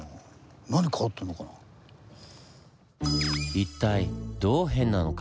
一体どう「ヘン」なのか？